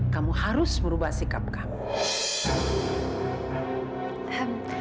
kamuh harus merubah sikap kamuh